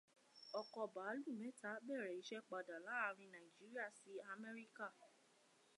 Ọkọ bàálù mẹ́ta bẹ̀rẹ̀ iṣẹ́ padà láàrin Nàìjíríà sí Amẹ́ríkà